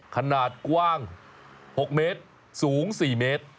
ขนาดกว้าง๖เมตรสูง๔เมตร